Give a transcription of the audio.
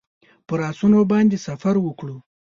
پر آسونو باندې سفر وکړو.